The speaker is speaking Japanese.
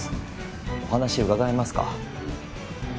お話伺えますか？